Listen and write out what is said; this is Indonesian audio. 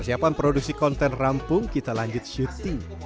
kalau mau produksi konten rampung kita lanjut syuting